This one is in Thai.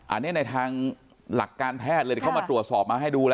อันนี้ในทางหลักการแพทย์เลยเข้ามาตรวจสอบมาให้ดูแล้ว